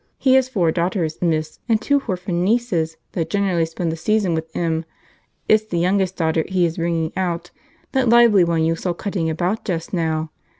He has four daughters, miss, and two h'orphan nieces that generally spends the season with 'im. It's the youngest daughter he is bringing out, that lively one you saw cutting about just now.